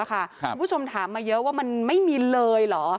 คุณผู้ชมถามมาเยอะว่ามันไม่มีเลยเหรอ